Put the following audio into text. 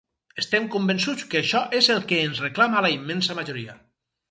Estem convençuts que això és el que ens reclama la immensa majoria